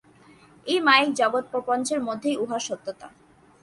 এই মায়িক জগৎপ্রপঞ্চের মধ্যেই উহার সত্যতা।